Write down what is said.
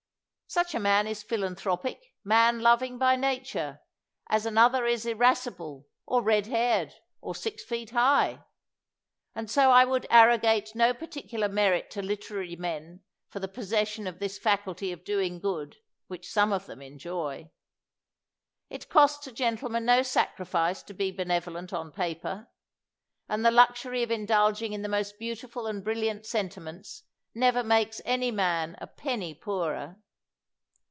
Such a man is philanthropic, man loving by na ture, as another is irascible, or red haired, or six feet high. And so I would arrogate no par ticular merit to literary men for the possession of this faculty of doing good which some of them enjoy. It costs a gentleman no sacrifice to be benevolent on paper; and the luxury of indulging in the most beautiful and brilliant sentiments never makes any man a penny poorer.